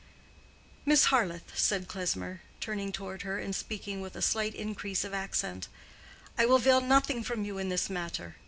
"Miss Harleth," said Klesmer, turning toward her and speaking with a slight increase of accent, "I will veil nothing from you in this matter.